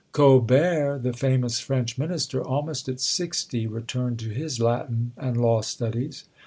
Colbert, the famous French minister, almost at sixty, returned to his Latin and law studies.